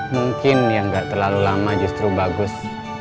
mungkin yang gak terlalu lama justru bagus